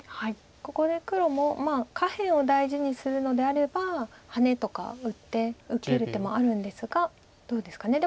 ここで黒も下辺を大事にするのであればハネとか打って受ける手もあるんですがどうですかね。